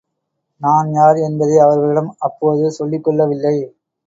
நான் யார் என்பதை அவர்களிடம் அப்போது சொல்லிக் கொள்ளவில்லை.